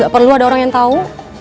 gak perlu ada orang yang tau